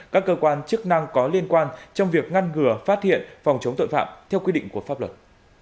các cơ quan chức năng có liên quan trong việc ngăn ngừa phát hiện phòng chống tội phạm theo quy định của pháp luật